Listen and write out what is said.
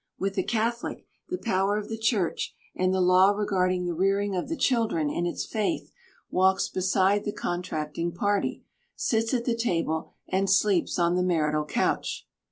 With the Catholic, the power of the Church and the law regarding the rearing of the children in its faith walks beside the contracting party, sits at the table, and sleeps on the marital couch.